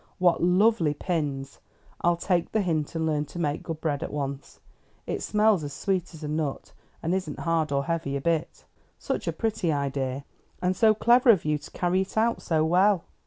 "What lovely pins!" "I'll take the hint and learn to make good bread at once." "It smells as sweet as a nut, and isn't hard or heavy a bit." "Such a pretty idea, and so clever of you to carry it out so well."